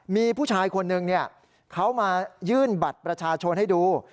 มีผู้ชายคนนึงเขามายื่นบัตรประชาชนให้ดู